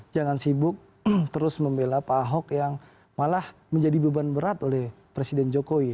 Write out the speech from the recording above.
jangan sibuk terus membela pak ahok yang malah menjadi beban berat oleh presiden jokowi